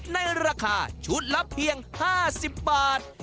ในราคาชุดละเพียง๕๐บาท